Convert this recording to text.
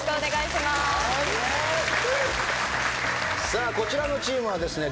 さあこちらのチームはですね